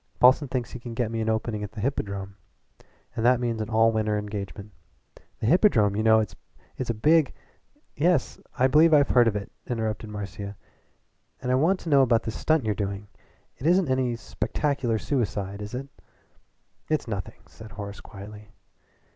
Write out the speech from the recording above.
Paulson thinks he can get me an opening at the Hippodrome, and that means an all winter engagement. The Hippodrome you know, is a big " "Yes, I believe I've heard of it," interrupted Marcia, "but I want to know about this stunt you're doing. It isn't any spectacular suicide, is it?" "It's nothing," said Horace quietly.